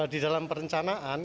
di dalam perencanaan